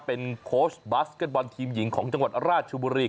เป็นโค้ชบาสเก็ตบอลทีมหญิงของจังหวัดราชบุรี